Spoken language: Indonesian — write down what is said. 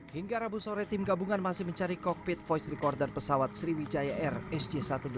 hingga rabu sore tim gabungan masih mencari kokpit voice recorder pesawat sriwijaya air sj satu ratus delapan puluh